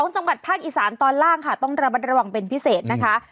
จังหวัดภาคอีสานตอนล่างค่ะต้องระมัดระวังเป็นพิเศษนะคะ